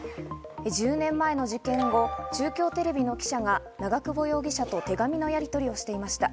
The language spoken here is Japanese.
１０年前の事件後、中京テレビの記者が長久保容疑者と手紙のやりとりをしていました。